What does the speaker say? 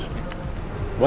harus tanggung jawab